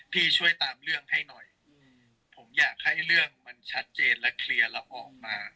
ช่วยตามเรื่องให้หน่อยผมอยากให้เรื่องมันชัดเจนและเคลียร์แล้วออกมา